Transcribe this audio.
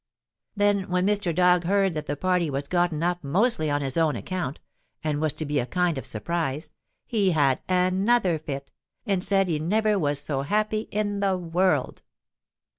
Then when Mr. Dog heard that the party was gotten up mostly on his own account, and was to be a kind of a surprise, he had another fit, and said he never was so happy in the world.